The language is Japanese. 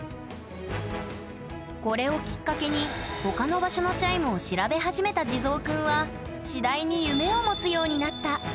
これをきっかけにほかの場所のチャイムを調べ始めた地蔵くんは次第に夢を持つようになった。